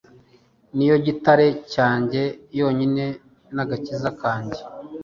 Ni yo gitare cyanjye yonyine n agakiza kanjye